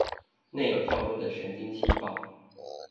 內有較多的神經細胞